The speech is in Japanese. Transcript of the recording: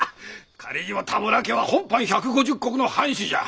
仮にも多村家は本藩１５０石の藩士じゃ。